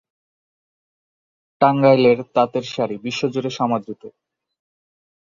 টাঙ্গাইলের তাঁতের শাড়ি বিশ্বজুড়ে সমাদৃত।